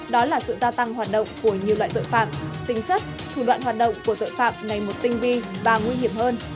đó là sự gia tăng hoạt động của nhiều loại tội phạm tính chất thủ đoạn hoạt động của tội phạm ngày một tinh vi và nguy hiểm hơn